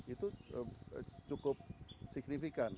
itu cukup signifikan